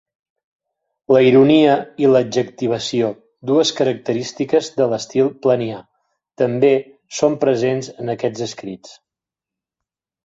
La ironia i l'adjectivació, dues característiques de l'estil planià, també són presents en aquests escrits.